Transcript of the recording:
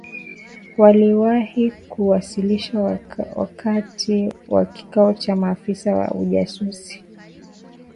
waliwahi kuwasilishwa wakati wa kikao cha maafisa wa ujasusi